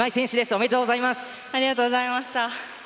おめでとうございます。